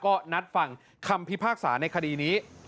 ก็นัดฟังคำพิพากษาในคดีนี้